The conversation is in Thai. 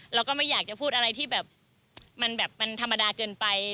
เราก็ไม่อยากจะพูดอะไรที่แบบมันแบบมันธรรมดาเกินไป